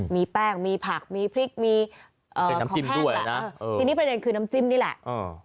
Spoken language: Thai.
มีแป้งมีผักมีพริกมีของแห้งแหละทีนี้ประเด็นคือน้ำจิ้มนี่แหละ